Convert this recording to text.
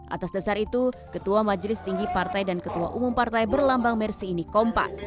atas dasar itu ketua majelis tinggi partai dan ketua umum partai berlambang mersi ini kompak